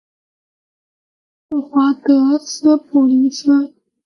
霍华德斯普林斯是位于美国加利福尼亚州莱克县的一个非建制地区。